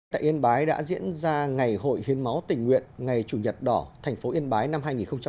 tại yên bái đã diễn ra ngày hội hiến máu tình nguyện ngày chủ nhật đỏ thành phố yên bái năm hai nghìn hai mươi